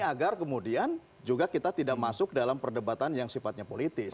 agar kemudian juga kita tidak masuk dalam perdebatan yang sifatnya politis